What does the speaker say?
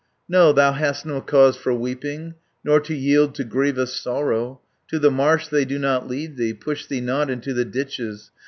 460 "No, thou hast no cause for weeping, Nor to yield to grievous sorrow; To the marsh they do not lead thee, Push thee not into the ditches.